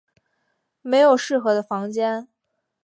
没有适合的房间